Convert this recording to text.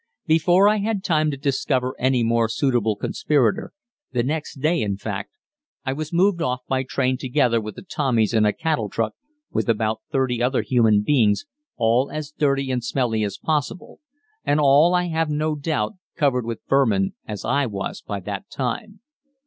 Before I had time to discover any more suitable conspirator the next day, in fact I was moved off by train together with the Tommies in a cattle truck, with about thirty other human beings, all as dirty and smelly as possible, and all, I have no doubt, covered with vermin, as I was by that time.